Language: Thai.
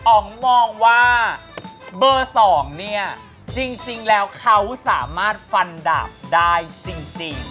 อ๋องมองว่าเบอร์๒เนี่ยจริงแล้วเขาสามารถฟันดาบได้จริง